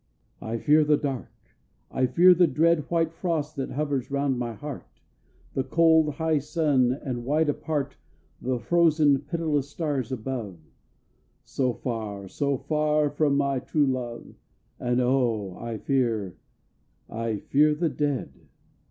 I fear the dark, I fear the dread White frost that hovers round my heart, The cold, high sun, and, wide apart, The frozen, pitiless stars above. So far, so far from my true love, And, oh! I fear, I fear the dead!